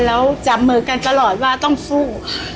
แล้วจับมือกันตลอดว่าต้องสู้